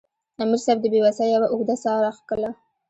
امیر صېب د بې وسۍ یوه اوږده ساه راښکله